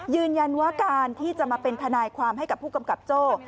ยืนยันว่าการที่จะมาเป็นทนายความให้กับผู้กำกับโจ้